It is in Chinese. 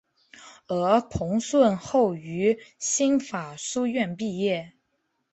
而彭顺后于新法书院毕业。